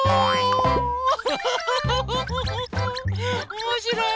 おもしろい？